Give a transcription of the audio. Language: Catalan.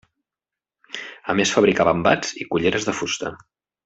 A més fabricaven bats i culleres de fusta.